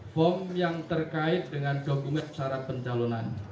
form yang terkait dengan dokumen syarat pencalonan